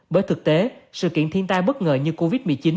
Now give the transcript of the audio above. bởi thực tế sự kiện thiên tai bất ngờ như covid một mươi chín